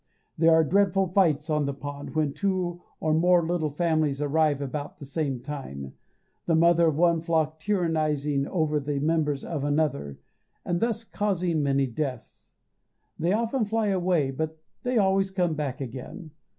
There are dreadful fights on the pond when two or more little families arrive about the same time, the mother of one flock tyrannizing over the members of another, and thus causing many deaths. They often fly away, but they always come back again.